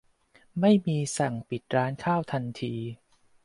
ไม่มีสั่งปิดร้านทันที